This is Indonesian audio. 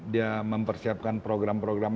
dia mempersiapkan program program